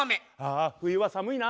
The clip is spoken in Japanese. あ冬は寒いな。